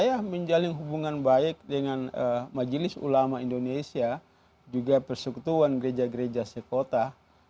saya menjalin hubungan baik dengan majelis ulama indonesia juga persekutuan gereja gereja sekota